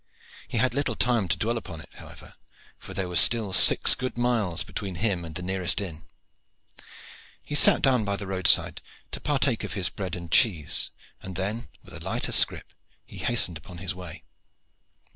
He had little time to dwell upon it however, for there were still six good miles between him and the nearest inn. He sat down by the roadside to partake of his bread and cheese, and then with a lighter scrip he hastened upon his way.